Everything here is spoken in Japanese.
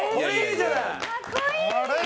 かっこいい！